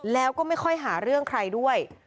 แล้วก็ไม่ค่อยหาเรื่องใครด้วย